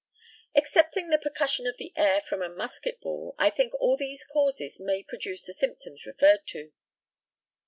Excepting the percussion of the air from a musketball, I think that all these causes may produce the symptoms referred to.